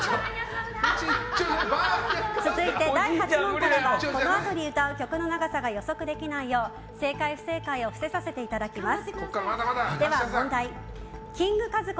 続いて、第８問からはこのあとに歌う曲の長さが予測できないよう正解・不正解を伏せさせていただきます。